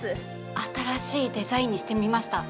新しいデザインにしてみました。